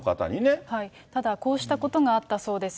ただこうしたことがあったそうです。